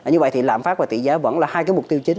như vậy thì lạm phát và tỷ giá vẫn là hai cái mục tiêu chính